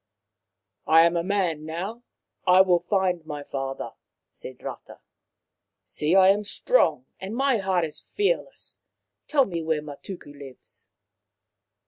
" I am a man now. I will find my father," said Rata. " See, I am strong, and my heart is fearless. Tell me where Matuku lives."